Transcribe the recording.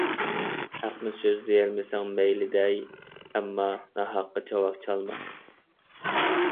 ھەقنى سۆزلىيەلمىسەڭ مەيلى دەي، ئەمما ناھەققە چاۋاك چالما!